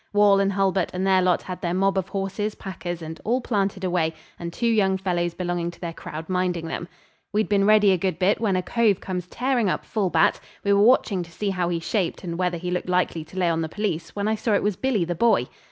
Wall and Hulbert and their lot had their mob of horses, packers, and all planted away, and two young fellows belonging to their crowd minding them. We'd been ready a good bit when a cove comes tearing up full bat. We were watching to see how he shaped, and whether he looked likely to lay on the police, when I saw it was Billy the Boy.